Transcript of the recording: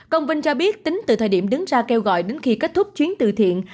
công binh cho biết tính từ thời điểm đứng ra kêu gọi đến khi kết thúc chuyến từ thiện